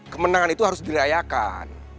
kemenangan itu harus dirayakan